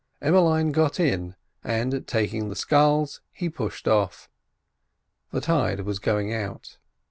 Emmeline got in, and, taking the sculls, he pushed off. The tide was going out.